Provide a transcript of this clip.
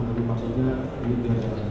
tapi maksudnya ini dikandalkan